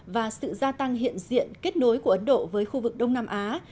và sự gia tăng hiện diện kết nối của ấn độ với khu vực đông nam á